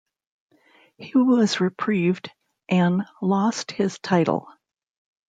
He was reprieved an lost his title.